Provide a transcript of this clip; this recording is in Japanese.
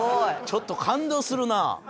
ちょっと感動するなあ。